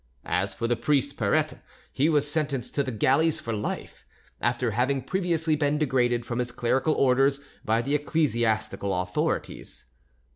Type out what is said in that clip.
As for the priest Perette, he was sentenced to the galleys for life, after having previously been degraded from his clerical orders by the ecclesiastical authorities.